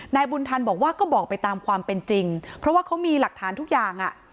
บุญทันบอกว่าก็บอกไปตามความเป็นจริงเพราะว่าเขามีหลักฐานทุกอย่างอ่ะ